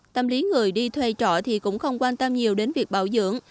tâm lý người đi thuê trọ thì cũng không quan tâm nhiều đến việc bảo dưỡng